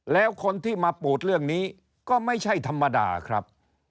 แล้วคนที่มาปูดเรื่องนี้ก็ไม่ใช่ธรรมดาครับ